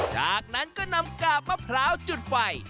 จากนั้นก็นำกาบมะพร้าวจุดไฟ